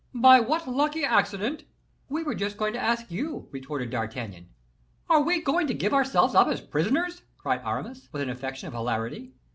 "By what lucky accident " "We were just going to ask you," retorted D'Artagnan. "Are we going to give ourselves up as prisoners?" cried Aramis, with an affection of hilarity.